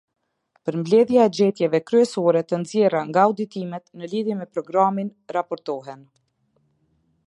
Përmbledhja e gjetjeve kryesore të nxjerra nga auditimet në lidhje me programin raportohen.